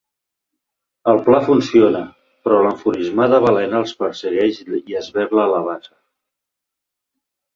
El pla funciona, però l'enfurismada balena els persegueix i esberla la bassa.